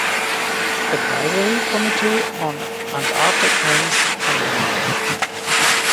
Advisory Committee on Antarctic Names angenommen.